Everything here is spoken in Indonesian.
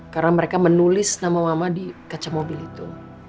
karena mereka menulis nama mama di kaca mobil itu